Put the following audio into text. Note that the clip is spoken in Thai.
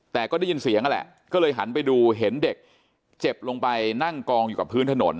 แต่ก็ได้ยินเสียงนั่นแหละก็เลยหันไปดูเห็นเด็กเจ็บลงไปนั่งกองอยู่กับพื้นถนน